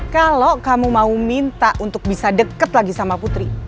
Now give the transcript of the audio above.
kalau kamu mau minta untuk bisa deket lagi sama putri